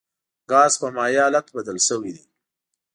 ګاز په مایع بدل شوی دی.